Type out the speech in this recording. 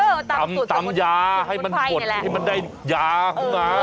เออตำสุดสุดตำยาให้มันผดให้มันได้ยาเข้ามา